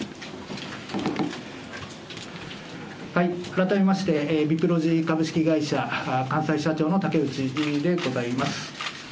改めまして、ビプロジー株式会社関西支社長のたけうちでございます。